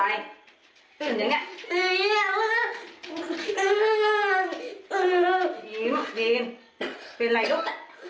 เยี่ยมดีเป็นอะไรลูก